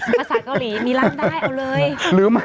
ภาษาเกาหลีมีร้านได้เอาเลย